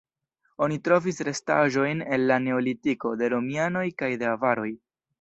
Oni trovis restaĵojn el la neolitiko, de romianoj kaj de avaroj.